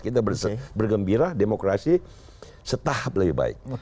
kita bergembira demokrasi setahap lebih baik